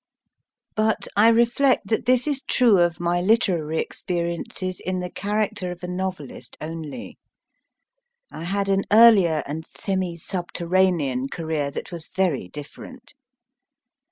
But I reflect that this is true of my literary experiences in the character of a novelist only. I had an earlier and semi subterranean career that was very different.